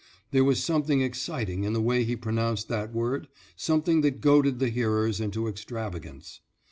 There was something exciting in the way he pronounced that word, something that goaded the hearers into extravagance.